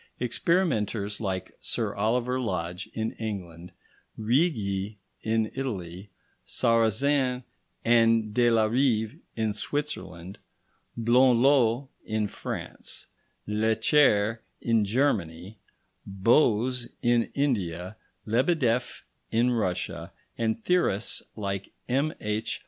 Experimenters like Sir Oliver Lodge in England, Righi in Italy, Sarrazin and de la Rive in Switzerland, Blondlot in France, Lecher in Germany, Bose in India, Lebedeff in Russia, and theorists like M.H.